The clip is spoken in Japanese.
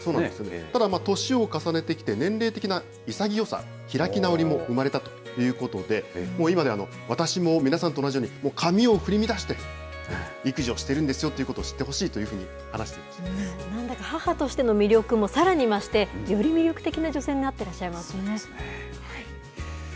ただ、年を重ねてきて、年齢的な開き直りも生まれたということで、今では、私も皆さんと同じように、髪を振り乱して育児をしているんですよということを知ってほしいなんだか母としての魅力もさらに増して、より魅力的な女性になってらっしゃいますよね。